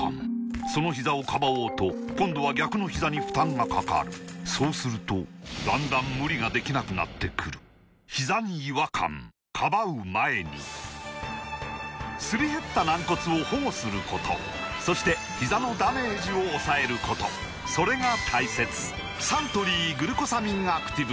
そのひざをかばおうと今度は逆のひざに負担がかかるそうするとだんだん無理ができなくなってくるすり減った軟骨を保護することそしてひざのダメージを抑えることそれが大切サントリー「グルコサミンアクティブ」